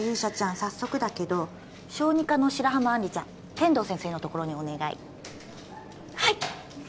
早速だけど小児科の白浜杏里ちゃん天堂先生のところにお願いはい！